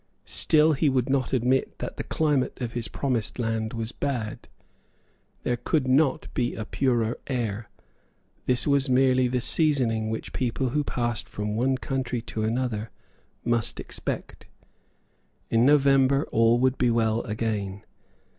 Still he would not admit that the climate of his promised land was bad. There could not be a purer air. This was merely the seasoning which people who passed from one country to another must expect. In November all would be well again.